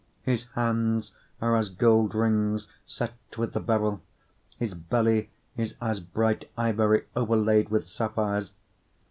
5:14 His hands are as gold rings set with the beryl: his belly is as bright ivory overlaid with sapphires.